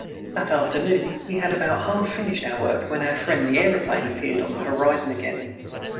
That afternoon we had about half finished our work when our friend the aeroplane appeared on the horizon again.